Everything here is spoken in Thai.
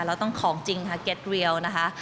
แล้วต้องของจริงค่ะเก็ตเรียลนะคะ